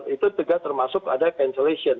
itu juga termasuk ada cancellation